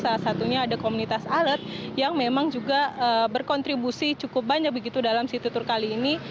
salah satunya ada komunitas alat yang memang juga berkontribusi cukup banyak begitu dalam city tour kali ini